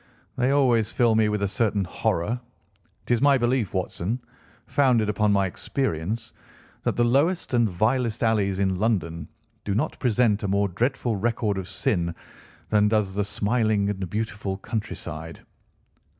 "They always fill me with a certain horror. It is my belief, Watson, founded upon my experience, that the lowest and vilest alleys in London do not present a more dreadful record of sin than does the smiling and beautiful countryside."